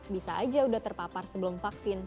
bisa aja udah terpapar sebelum vaksin